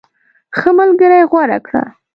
ښه ملګری غوره کړه.